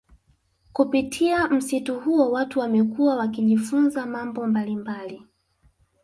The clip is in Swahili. Kupitia msitu huo watu wamekuwa wakijifunza mambo mbalimbali